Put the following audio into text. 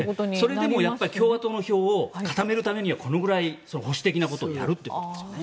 それでもやっぱり共和党の票を固めるためにはこのぐらい保守的なことをやるということですね。